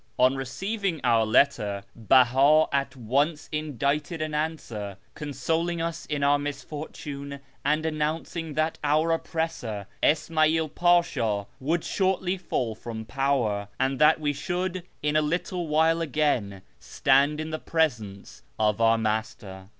On receiving our letter, Beha at once indited an answer, consoling us in our misfortune and announcing that our oppressor, Isma'i'l Pasha, would shortly fall from power, and that we should in a little while again stand in the presence of our Master.